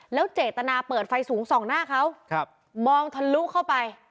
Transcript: แล้วเจตนาเปิดไฟสูงส่องหน้าเขามองทะลุเข้าไป